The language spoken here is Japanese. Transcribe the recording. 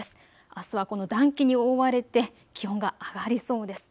あすはこの暖気に覆われて気温が上がりそうです。